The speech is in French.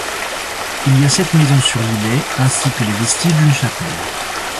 Il y a sept maisons sur l'îlet, ainsi que les vestiges d'une chapelle.